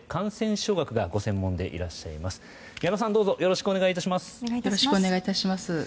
どうぞよろしくお願い致します。